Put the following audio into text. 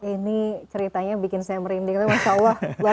ini ceritanya bikin saya merinding